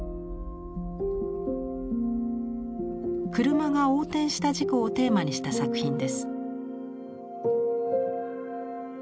車が横転した事故をテーマにした作品です。